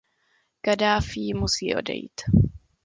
Kaddáfí musí odejít.